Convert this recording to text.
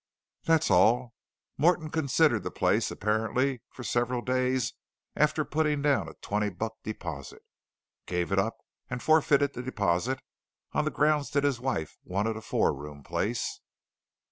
"That's all. Morton considered the place apparently for several days after putting down a twenty buck deposit. Gave it up and forfeited the deposit on the grounds that his wife wanted a four room place."